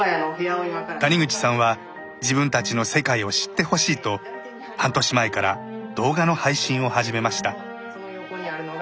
谷口さんは自分たちの世界を知ってほしいと半年前から動画の配信を始めました。